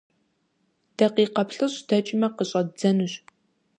Дакъикъэ плӀыщӀ дэкӀмэ, къыщӀэддзэнущ.